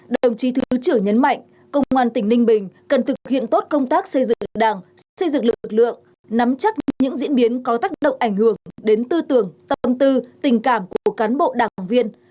đồng chí thứ trưởng nhấn mạnh công an tỉnh ninh bình cần thực hiện tốt công tác xây dựng đảng xây dựng lực lượng nắm chắc những diễn biến có tác động ảnh hưởng đến tư tưởng tâm tư tình cảm của cán bộ đảng viên